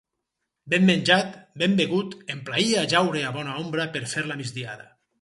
Ben menjat, ben begut, em plaïa jaure a bona ombra per fer la migdiada.